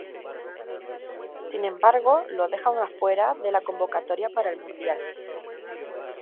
Sin embargo, lo dejan afuera de la convocatoria para el Mundial.